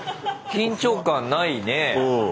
緊張感ないねえ。